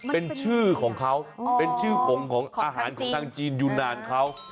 เป็นชื่อของเขาเป็นชื่อผงของอาหารของทางจีนยูนานเขา